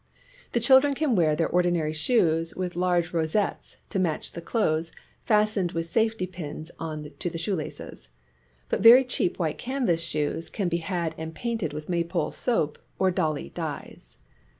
The children can wear their ordinary shoes, with large io DRESSES rosettes, to match the clothes, fastened with safety pins on to the shoelaces. But very cheap white canvas shoes can be had and painted with Maypole soap or Dolly dyes.